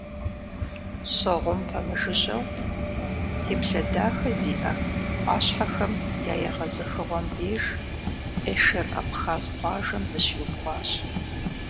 Согъум пэмыжыжьэу, теплъэ дахэ зиӀэ Ӏуащхьэхэм я егъэзыхыгъуэм деж, Эшер абхъаз къуажэм зыщиубгъуащ.